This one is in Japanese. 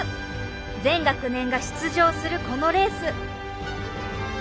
全学年が出場するこのレース。